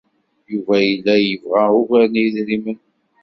Yuba yella yebɣa ugar n yidrimen.